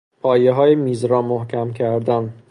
پایههای میز را محکم کردن